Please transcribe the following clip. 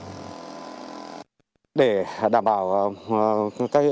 các phương tiện đều phải khử khuẩn mới được vào địa bàn